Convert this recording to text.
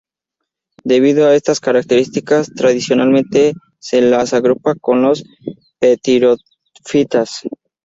Debido a estas características tradicionalmente se las agrupa con las "pteridofitas".